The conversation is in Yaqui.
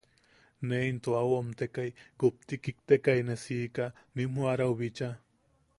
Ne into au oʼomtekai kupti kiktekai ne siika nim joʼarau bichaa.